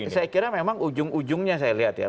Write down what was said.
saya kira memang ujung ujungnya saya lihat ya